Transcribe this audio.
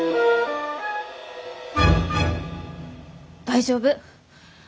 大丈夫。